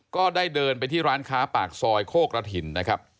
ก็ได้เดินไปที่ร้านค้าปากซอยโคกระถิ่นนะครับ